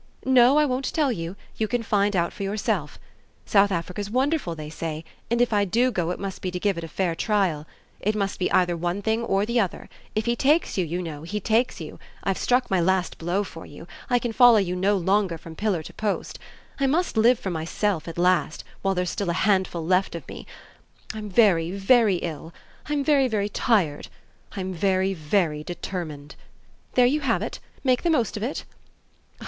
No, I won't tell you; you can find out for yourself. South Africa's wonderful, they say, and if I do go it must be to give it a fair trial. It must be either one thing or the other; if he takes you, you know, he takes you. I've struck my last blow for you; I can follow you no longer from pillar to post. I must live for myself at last, while there's still a handful left of me. I'm very, very ill; I'm very, very tired; I'm very, very determined. There you have it. Make the most of it.